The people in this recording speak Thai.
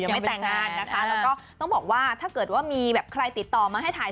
ไม่แต่งงานนะคะแล้วก็ต้องบอกว่าถ้าเกิดว่ามีแบบใครติดต่อมาให้ถ่าย